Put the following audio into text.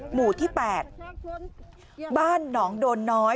หมู่ที่๘บ้านหนองโดนน้อย